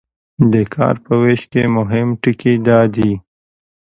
د کار په ویش کې مهم ټکي دا دي.